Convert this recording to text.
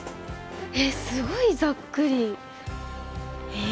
えすごいざっくり。え？